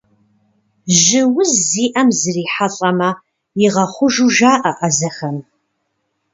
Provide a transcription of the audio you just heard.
Жьы уз зиӏэм зрихьэлӏэмэ, игъэхъужу жаӏэ ӏэзэхэм.